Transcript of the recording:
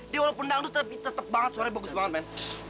dia walaupun nangis tetep tetep banget suaranya bagus banget men